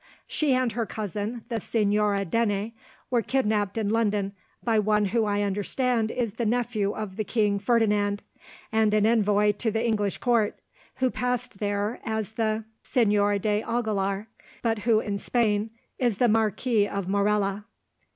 "She and her cousin, the Señora Dene, were kidnapped in London by one who I understand is the nephew of the King Ferdinand, and an envoy to the English court, who passed there as the Señor d'Aguilar, but who in Spain is the Marquis of Morella."